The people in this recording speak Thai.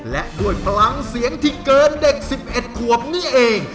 และด้วยพลังเสียงที่เกินเด็ก๑๑ขวบนี่เอง